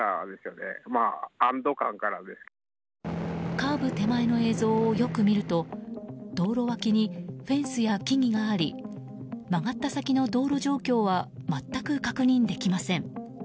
カーブ手前の映像をよく見ると道路脇にフェンスや木々があり曲がった先の道路状況は全く確認できません。